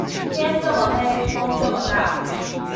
天這麼黑，風這麼大